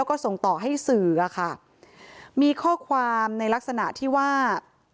แล้วก็ส่งต่อให้สื่ออะค่ะมีข้อความในลักษณะที่ว่า